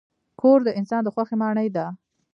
کور د انسان د خوښۍ ماڼۍ ده.